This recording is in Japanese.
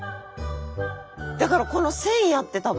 だからこの線やって多分。